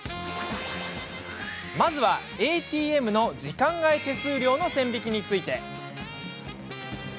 まずは、ＡＴＭの時間外手数料の線引きについて。